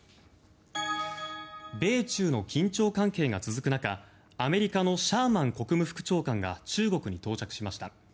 米中の緊張関係が続く中アメリカのシャーマン国務副長官が中国に到着しました。